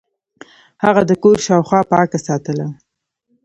هغه د کور شاوخوا پاکه ساتله.